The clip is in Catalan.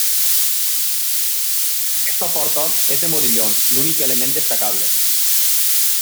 Aquesta porta és de modillons, l'únic element destacable.